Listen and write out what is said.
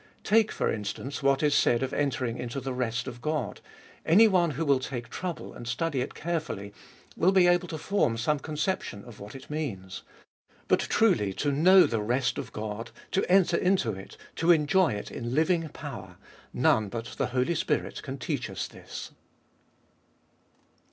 Take, for instance, what is said of entering into the rest of God, anyone who will take trouble, and study it carefully, will be able to form some conception of what it means. But truly to know the rest of God, to enter into it, to enjoy it in living power, — none but the Holy Spirit can teach us this.